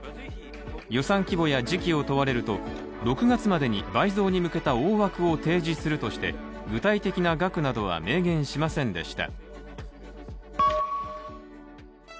予算規模や時期を問われると、６月までに倍増に向けた大枠を提示するとして、具体的な額などは明言しませんでした。